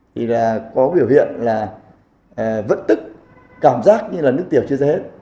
thì là có biểu hiện là vẫn tức cảm giác như là nước tiểu chưa ra hết